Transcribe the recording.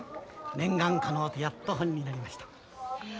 念願かのうてやっと本になりました。